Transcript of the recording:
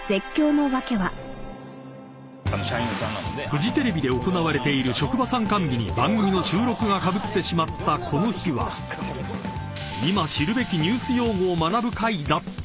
［フジテレビで行われている職場参観日に番組の収録がかぶってしまったこの日は今知るべきニュース用語を学ぶ回だったのだが］